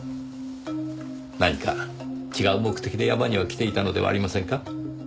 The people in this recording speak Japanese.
何か違う目的で山には来ていたのではありませんか？